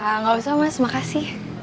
ah gak usah mas makasih